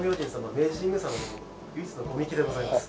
明治神宮様の唯一の御神酒でございます。